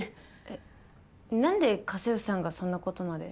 えっなんで家政婦さんがそんな事まで？